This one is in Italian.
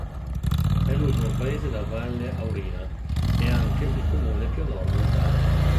È l'ultimo paese della Valle Aurina e anche il comune più a nord d'Italia.